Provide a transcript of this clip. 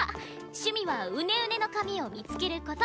趣味はうねうねの髪を見付けること。